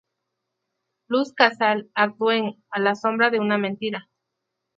Luz Casal actuó en "A la sombra de una mentira".